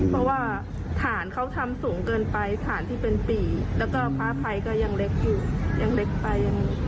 แล้วพอมีวงเวียนมาก็รถติดหนักเกิดอุบันเหตุบ่อย